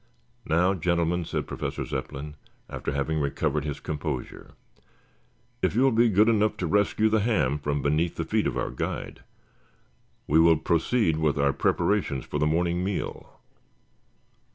"Now, gentlemen," said Professor Zepplin, after having recovered his composure, "if you will be good enough to rescue the ham from beneath the feet of our guide, we will proceed with our preparations for the morning meal.